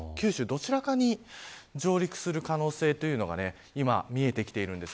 どちらかに上陸する可能性というのが見えてきているんです。